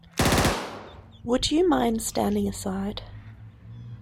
Would you mind standing aside?